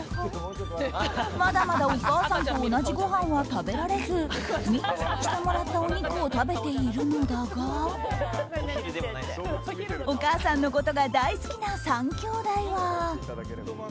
まだまだお母さんと同じごはんは食べられずミンチにしてもらったお肉を食べているのだがお母さんのことが大好きな３兄弟は。